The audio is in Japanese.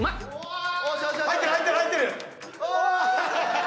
入ってる入ってる入ってる！